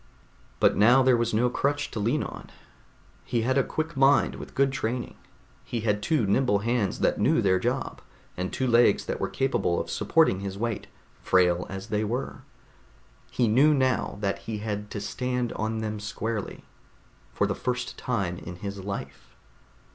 But now there was no crutch to lean on. He had a quick mind with good training. He had two nimble hands that knew their job, and two legs that were capable of supporting his weight, frail as they were. He knew now that he had to stand on them squarely, for the first time in his life.